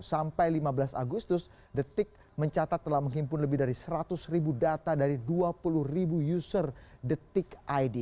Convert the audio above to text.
sampai lima belas agustus detik mencatat telah menghimpun lebih dari seratus ribu data dari dua puluh ribu user detik id